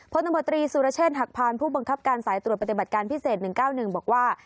ตำรวจตรีสุรเชษฐหักพานผู้บังคับการสายตรวจปฏิบัติการพิเศษ๑๙๑บอกว่า